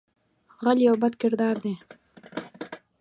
غل یو بد کردار دی